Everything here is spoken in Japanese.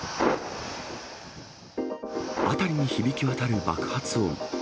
辺りに響き渡る爆発音。